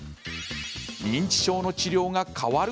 認知症の治療が変わる？